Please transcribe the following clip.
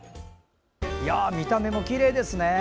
見た目もきれいですね。